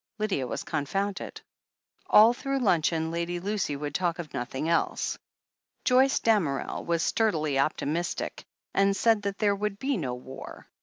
Lydia was confounded. All through luncheon Lady Lucy would talk of nothing else. Joyce Damerel was sturdily optimistic, and said that there would be no war.